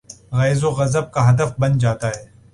غیظ و غضب کا ہدف بن جا تا ہے۔